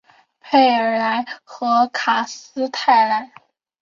佩尔莱和卡斯泰莱。